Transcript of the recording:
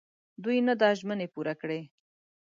دوی نه دا ژمني پوره کړي.